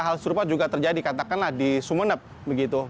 hal serupa juga terjadi katakanlah di sumeneb begitu